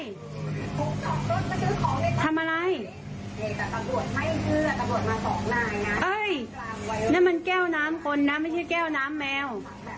นั่นมันแก้วน้ำคนนะไม่ใช่แก้วน้ำแมว